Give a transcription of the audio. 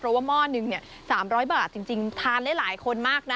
เพราะว่าหม้อนึงเนี้ยสามร้อยบาทจริงจริงทานได้หลายคนมากน่ะ